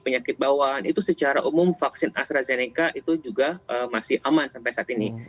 penyakit bawaan itu secara umum vaksin astrazeneca itu juga masih aman sampai saat ini